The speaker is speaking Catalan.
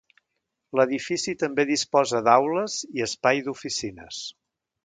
L'edifici també disposa d'aules i espai d'oficines